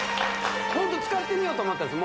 ホント使ってみようと思ったんです